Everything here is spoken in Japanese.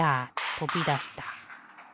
とびだした。